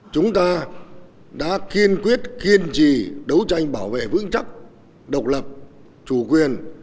chúng ta đã kiên quyết kiên trì đấu tranh bảo vệ vững chắc độc lập chủ quyền